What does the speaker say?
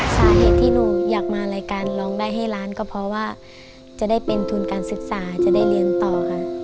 สาเหตุที่หนูอยากมารายการร้องได้ให้ล้านก็เพราะว่าจะได้เป็นทุนการศึกษาจะได้เรียนต่อค่ะ